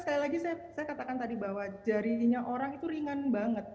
sekali lagi saya katakan tadi bahwa jarinya orang itu ringan banget